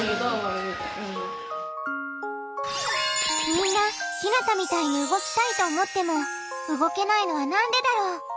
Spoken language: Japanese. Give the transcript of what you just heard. みんなひなたみたいに動きたいと思っても動けないのはなんでだろう？